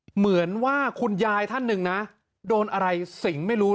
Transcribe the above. เหมือนว่าคุณยายท่านหนึ่งนะโดนอะไรสิงไม่รู้